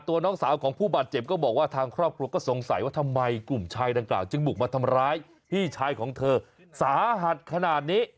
น้องสาวของผู้บาดเจ็บก็บอกว่าทางครอบครัวก็สงสัยว่าทำไมกลุ่มชายดังกล่าวจึงบุกมาทำร้ายพี่ชายของเธอสาหัสขนาดนี้